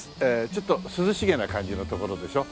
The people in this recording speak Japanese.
ちょっと涼しげな感じの所でしょ？